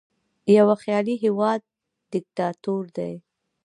یوه خیالي هیواد دیکتاتور دی.